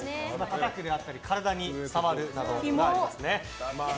たたくであったり体に触るなどあります。